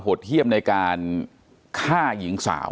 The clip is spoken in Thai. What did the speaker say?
เป็นวันที่๑๕ธนวาคมแต่คุณผู้ชมค่ะกลายเป็นวันที่๑๕ธนวาคม